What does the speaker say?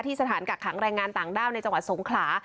สถานกักขังแรงงานต่างด้าวในจังหวัดสงขลา